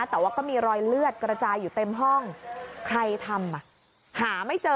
แต่ว่าก็มีรอยเลือดกระจายอยู่เต็มห้องใครทำอ่ะหาไม่เจอ